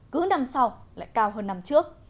cứ năm sau lại cao hơn năm trước